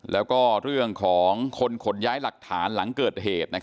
แล้วก็เรื่องของคนขนย้ายหลักฐานหลังเกิดเหตุ